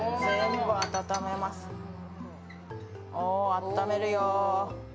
あっためるよ。